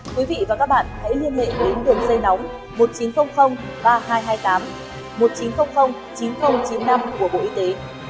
quý vị và các bạn hãy liên lệ đến đường dây nóng một chín không không ba hai hai tám một chín không không chín không chín năm của bộ y tế